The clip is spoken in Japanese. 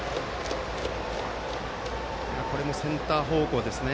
これもセンター方向ですね。